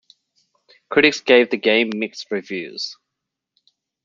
Critics gave the game mixed reviews.